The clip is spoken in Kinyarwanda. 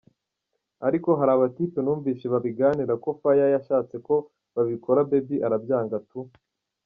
Ariko hari abatypes numvise babiganira ko Fire yashatse ko babikora Baby arabyanga tu.